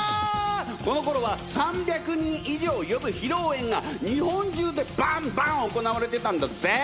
このころは３００人以上呼ぶ披露宴が日本中でバンバン行われてたんだぜ！